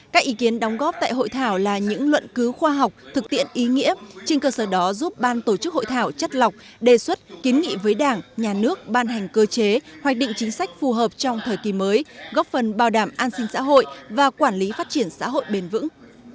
các ý kiến đóng góp tại hội thảo là những luận cứu khoa học thực tiện ý nghĩa trên cơ sở đó giúp ban tổ chức hội thảo chất lọc đề xuất kiến nghị với đảng nhà nước ban hành cơ chế hoạch định chính sách phù hợp trong thời kỳ mới góp phần bảo đảm an sinh xã hội và quản lý phát triển xã hội bền vững